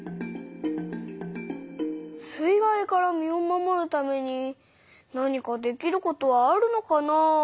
水害から身を守るために何かできることはあるのかなあ？